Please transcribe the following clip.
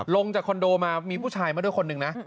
ลงจากคอนโดมามีผู้ชายมาด้วยคนหนึ่งนะ